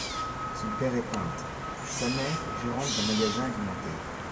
Son père est peintre, sa mère gérante d'un magasin alimentaire.